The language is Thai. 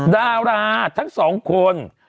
ดาราทั้งสองคน